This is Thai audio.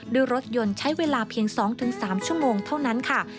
ด้วยรถยนต์ใช้เวลาเพียง๒๓ชั่วโมงเท่านั้นค่ะ